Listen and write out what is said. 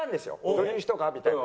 どういう人がみたいな。